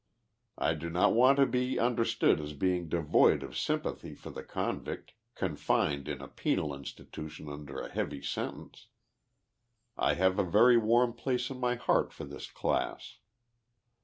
I do not want to be understood as being devoid of sympathy for the convict, confined in a penal institution under a heavy sen tence. I have a very warm place in my heart for this class.